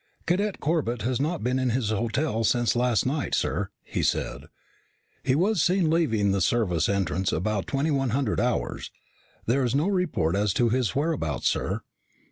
"Cadet Corbett has not been in his hotel since last night, sir," he said. "He was seen leaving the service entrance at about 2100 hours. There is no report as to his whereabouts, sir."